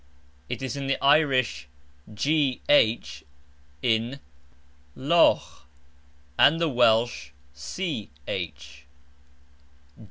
It is the Irish GH in louGH, and the Welsh CH.